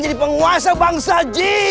jadi penguasa bangsa ji